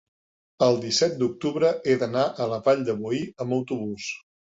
el disset d'octubre he d'anar a la Vall de Boí amb autobús.